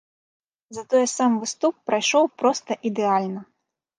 Затое сам выступ прайшоў проста ідэальна.